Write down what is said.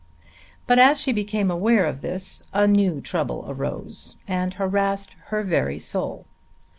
But as she became aware of this a new trouble arose and harassed her very soul.